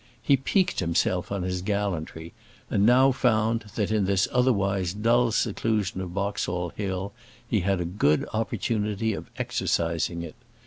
He piqued himself on his gallantry, and now found that, in the otherwise dull seclusion of Boxall Hill, he had a good opportunity of exercising it.